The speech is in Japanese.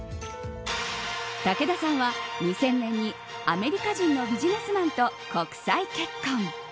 武田さんは２０００年にアメリカ人のビジネスマンと国際結婚。